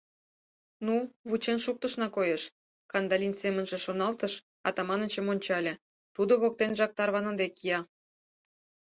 «Ну, вучен шуктышна, коеш!» — Кандалин семынже шоналтыш, Атаманычым ончале: тудо воктенжак тарваныде кия.